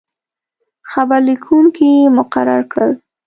خبر لیکونکي مقرر کړل.